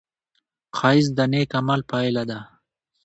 ښایست د نېک عمل پایله ده